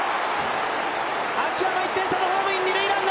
秋山、１点差のホームイン。